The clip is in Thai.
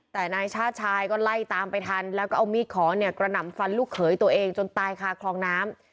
แต่นายชาติชายก็ไล่ตามไปทันแล้วก็เอามีดขอเนี่ยกระหน่ำฟันลูกเขยตัวเองจนตายคาคลองน้ำ